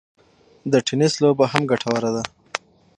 د ټینېس لوبه هم ګټوره ده.